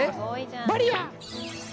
バリアー！